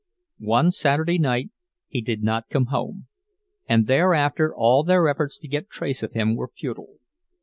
One Saturday night he did not come home, and thereafter all their efforts to get trace of him were futile.